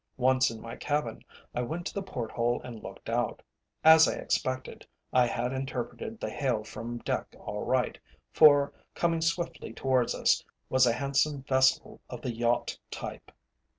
Once in my cabin I went to the port hole and looked out. As I expected, I had interpreted the hail from deck aright, for, coming swiftly towards us, was a handsome vessel of the yacht type.